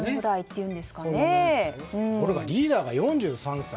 ところがリーダーが４３歳。